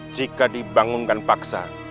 jika dibangunkan paksa